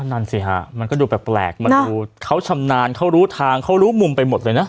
นั่นสิฮะมันก็ดูแปลกมันดูเขาชำนาญเขารู้ทางเขารู้มุมไปหมดเลยนะ